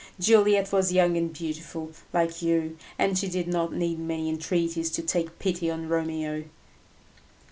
Juliet was young and beautiful like you, and she did not need many entreaties to take pity on Romeo."